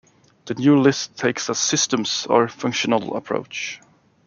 The new list takes a "systems" or functional approach.